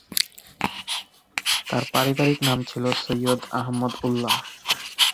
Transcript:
তার পারিবারিক নাম ছিল সৈয়দ আহমদ উল্লাহ।